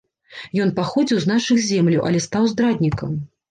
Ён паходзіў з нашых земляў, але стаў здраднікам.